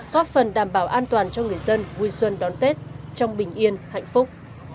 góp phần đảm bảo an toàn cho người dân vui xuân đón tết trong bình yên hạnh phúc